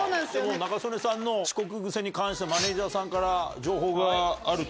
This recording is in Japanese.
仲宗根さんの遅刻癖に関してマネージャーさんから情報があると。